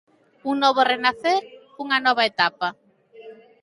Un novo renacer, unha nova etapa.